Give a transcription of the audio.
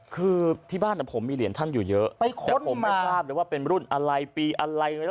คือที่บ้านผมมีเหรียญท่านอยู่เยอะแต่ผมไม่ทราบเลยว่าเป็นรุ่นอะไรปีอะไร